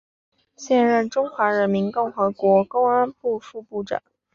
现任中华人民共和国公安部副部长。